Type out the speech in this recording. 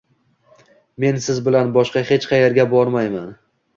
“Men siz bilan boshqa hech qayerga bormayman...”